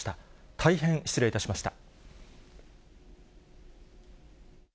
大変失礼いたしました。